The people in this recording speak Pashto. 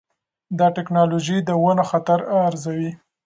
دا ټکنالوجي د ونو خطر ارزوي.